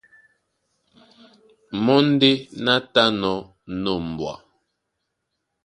Mɔ́ ndé ná tánɔ̄ ná ombwa.